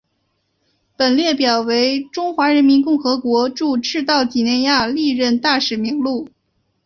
本列表为中华人民共和国驻赤道几内亚历任大使名录。